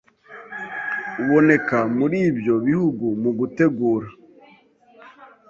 uboneka muri ibyo bihugu mu gutegura